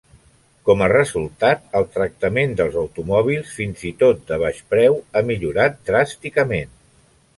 Com a resultat, el tractament dels automòbils fins i tot de baix preu ha millorat dràsticament.